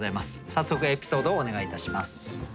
早速エピソードをお願いいたします。